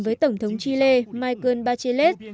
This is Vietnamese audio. với tổng thống chile michael bachelet